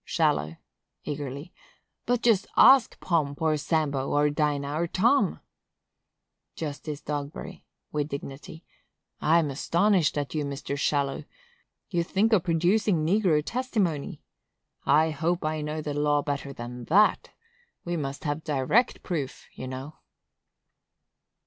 Shallow. [Eagerly.] But just ask Pomp, or Sambo, or Dinah, or Tom! Justice Dogberry. [With dignity.] I'm astonished at you, Mr. Shallow! You think of producing negro testimony? I hope I know the law better than that! We must have direct proof, you know.